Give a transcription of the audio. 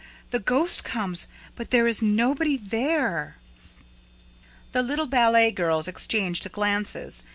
The ghost comes, but there is nobody there." The little ballet girls exchanged glances.